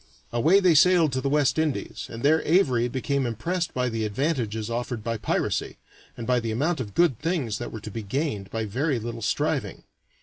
Away they sailed to the West Indies, and there Avary became impressed by the advantages offered by piracy, and by the amount of good things that were to be gained by very little striving.